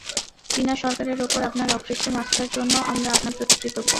চীনা সরকারের ওপর আপনার অকৃত্রিম আস্থার জন্য আমরা আপনার প্রতি কৃতজ্ঞ।